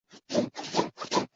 相逢有乐町演唱。